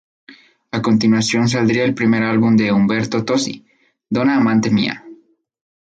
A continuación saldría el primer álbum de Umberto Tozzi, "Donna Amante Mia".